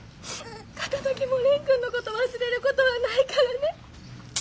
片ときも蓮くんのこと忘れることはないからね。